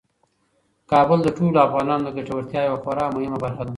کابل د ټولو افغانانو د ګټورتیا یوه خورا مهمه برخه ده.